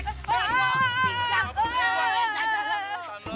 jangan jangan jangan